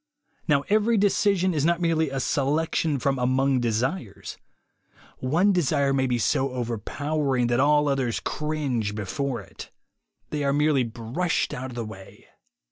Now every decision is not merely a selection from among desires. One desire may be so over powering that all others cringe before it; they are merely brushed out of the way.